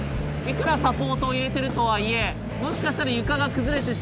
いくらサポートを入れてるとはいえもしかしたら床が崩れてしまう。